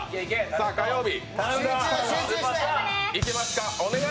さぁ、火曜日。